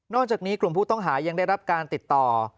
จากนี้กลุ่มผู้ต้องหายังได้รับการติดต่อ